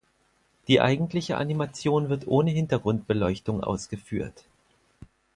Die eigentliche Animation wird ohne Hintergrundbeleuchtung ausgeführt.